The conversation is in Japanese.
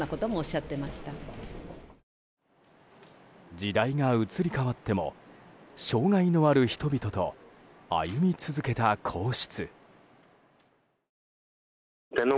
時代が移り変わっても障害のある人々と歩み続けた皇室。